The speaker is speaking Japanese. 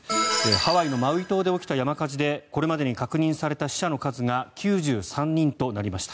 ハワイのマウイ島で起きた山火事でこれまでに確認された死者の数が９３人となりました。